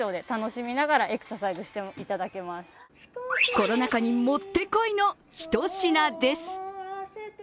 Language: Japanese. コロナ禍にもってこいの一品です。